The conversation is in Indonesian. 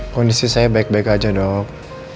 kondisi saya baik baik aja dok